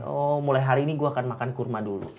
oh mulai hari ini gue akan makan kurma dulu